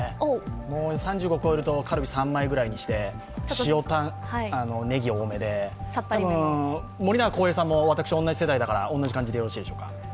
もう３５を超えるとカルビ３枚ぐらいにして、塩タンねぎ多めで森永康平さんも私と同じ世代だから、同じ感じでよろしいでしょうか